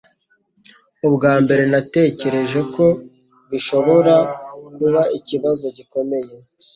Ubwa mbere natekereje ko bishobora kuba ikibazo gikomeye